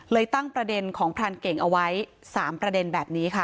ตั้งประเด็นของพรานเก่งเอาไว้๓ประเด็นแบบนี้ค่ะ